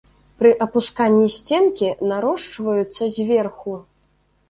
Пры апусканні сценкі нарошчваюцца зверху.